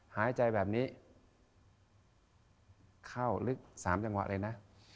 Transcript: หายใจแบบนี้เข้าลึก๓จังหวะเลยนะ